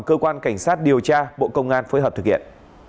cảnh sát điều tra bộ công an phối hợp thực hiện